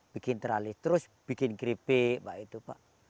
bikin tralis terus bikin keripik